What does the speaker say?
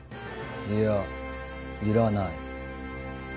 いやいらない。